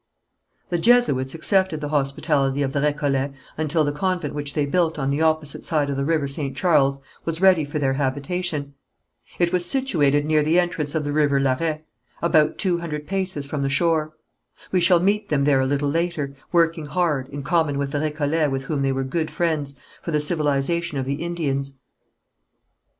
The Jesuits accepted the hospitality of the Récollets until the convent which they built on the opposite side of the river St. Charles, was ready for their habitation. It was situated near the entrance of the river Lairet, about two hundred paces from the shore. We shall meet them there a little later, working hard, in common with the Récollets with whom they were good friends, for the civilization of the Indians.